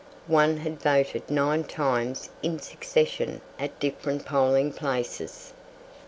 One had voted nine times in succession at different polling places.